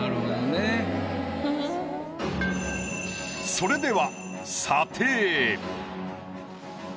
それでは。